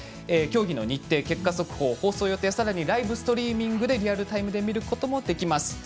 競技の日程、結果速報放送予定ライブストリーミングでリアルタイムで見ることもできます。